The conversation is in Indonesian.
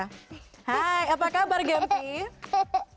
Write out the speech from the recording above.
hai apa kabar gempi